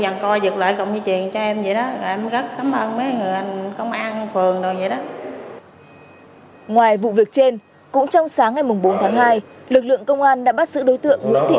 ngoài vụ việc trên cũng trong sáng ngày bốn tháng hai lực lượng công an đã bắt giữ đối tượng nguyễn thị